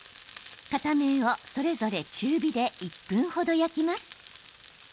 片面をそれぞれ中火で１分程、焼きます。